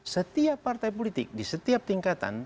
setiap partai politik di setiap tingkatan